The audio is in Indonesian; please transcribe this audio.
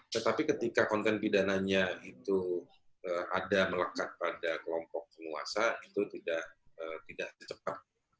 tetapi ketika konten pidananya itu ada melekat pada kelompok penguasa itu tidak cepat